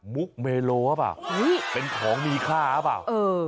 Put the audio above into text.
มุกเมโลหรือเปล่าเป็นของมีค่าหรือเปล่า